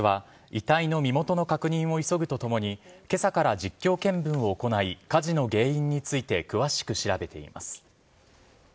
警察は、遺体の身元の確認を急ぐとともに、けさから実況見分を行い、火事の原因について、詳しく調べています。